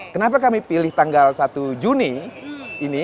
kenapa kami pilih tanggal satu juni ini